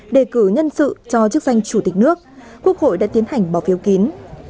đề cử nhân sự cho chức danh chủ tịch nước quốc hội đã tiến hành bỏ phiếu kín